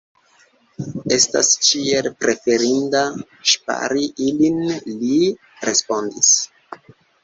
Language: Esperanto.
Estas ĉiel preferinde ŝpari ilin, li respondis.